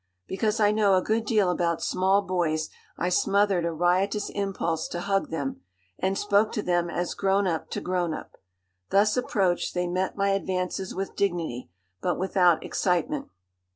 Because I know a good deal about small boys I smothered a riotous impulse to hug them, and spoke to them as grown up to grown up. Thus approached, they met my advances with dignity, but without excitement.